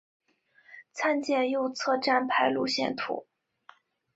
参见右侧站牌路线图。